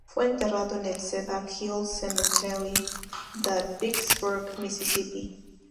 Fue enterrado en el Cedar Hill Cemetery de Vicksburg, Misisipi.